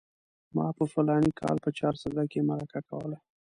ما په فلاني کال کې په چارسده کې مرکه کوله.